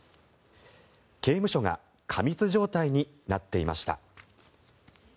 刑務所が過密状態になっていました。